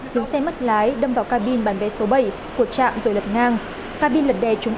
khiến xe mất lái đâm vào ca bin bàn vé số bảy của trạm rồi lật ngang